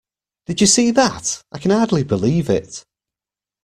Did you see that? I can hardly believe it!